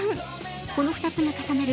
この２つが重なる